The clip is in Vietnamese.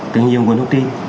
tương nhiên nguồn thông tin